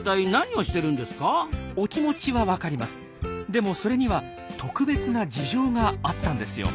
でもそれには特別な事情があったんですよ。